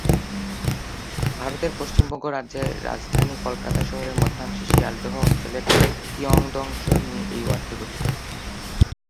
ভারতের পশ্চিমবঙ্গ রাজ্যের রাজধানী কলকাতা শহরের মধ্যাংশে শিয়ালদহ অঞ্চলের কিয়দংশ নিয়ে এই ওয়ার্ডটি গঠিত।